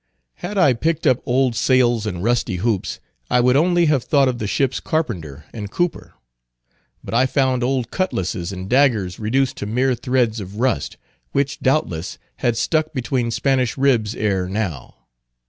Had I picked up old sails and rusty hoops I would only have thought of the ship's carpenter and cooper. But I found old cutlasses and daggers reduced to mere threads of rust, which, doubtless, had stuck between Spanish ribs ere now.